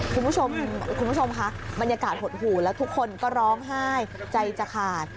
คุณผู้ชมคะบรรยากาศหดหู่แล้วทุกคนก็ร้องไห้ใจจะขาด